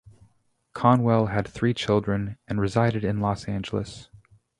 Conwell had three children and resided in Los Angeles.